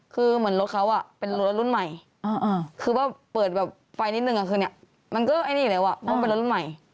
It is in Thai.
คือเหมือนรถเขาเป็นรถรุ่นใหม่คือว่าเปิดแบบไฟนิดนึงมันก็เป็นรถรุ่นใหม่